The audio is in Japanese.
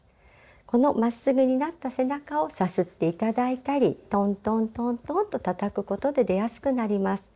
このまっすぐになった背中をさすって頂いたりトントントントンとたたくことで出やすくなります。